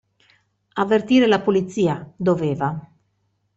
Avvertire la polizia, doveva.